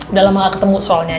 udah lama gak ketemu soalnya